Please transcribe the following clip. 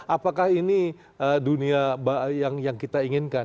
apakah ini dunia yang kita inginkan